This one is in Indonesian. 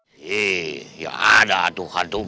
hei ya ada atuh atuh